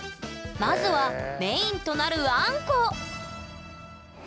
まずはメインとなるあんこ！